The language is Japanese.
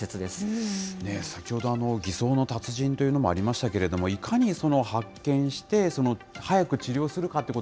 先ほど、偽装の達人というのもありましたけれども、いかに発見して、早く治療するかっていう